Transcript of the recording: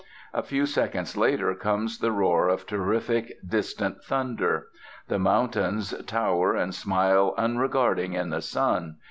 A few seconds later comes the roar of terrific, distant thunder. The mountains tower and smile unregarding in the sun.